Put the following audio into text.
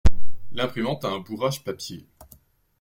L'imprimante a un bourrage papier.